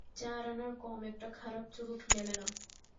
চার আনার কম একটা খারাপ চুরুট মেলে না।